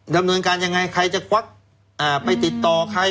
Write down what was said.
ดำเนินการยังไงใครจะควักไปติดต่อใคร